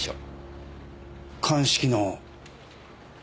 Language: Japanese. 鑑識の。